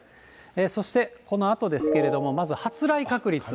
そして、このあとですけれども、まず発雷確率。